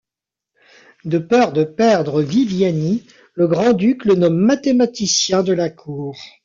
De peur de perdre Viviani, le grand-duc le nomme mathématicien de la Cour.